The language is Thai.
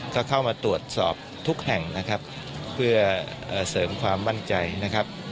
ก็เข้ามาตรวจสอบทุกแห่งนะครับเพื่อเสริมความมั่นใจนะครับ